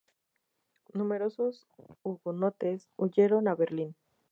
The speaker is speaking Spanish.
Numerosos hugonotes huyeron a Berlín.